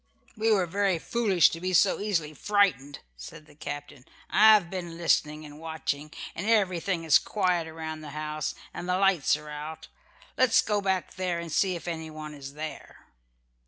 "We were very foolish to be so easily frightened," said the captain. "I have been listening and watching, and everything is quiet around the house and the lights are out. Let us go back there and see if anyone is there."